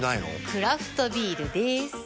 クラフトビールでーす。